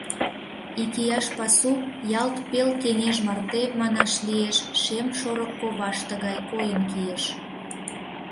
Икияш пасу ялт пел кеҥеж марте, манаш лиеш, шем шорык коваште гай койын кийыш.